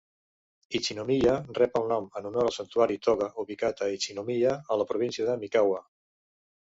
Ichinomiya rep el nom en honor al santuari Toga ubicat a Ichinomiya, a la província de Mikawa.